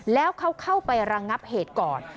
แล้วเขาเข้าไประงับเหตุก่อน